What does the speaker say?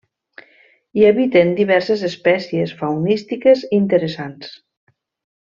Hi habiten diverses espècies faunístiques interessants.